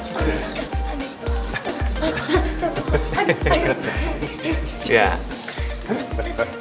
ini pak joseph